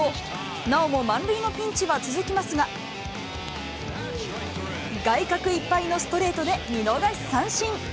なおも満塁のピンチは続きますが、外角いっぱいのストレートで見逃し三振。